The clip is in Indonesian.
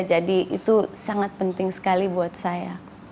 jadi itu sangat penting sekali buat saya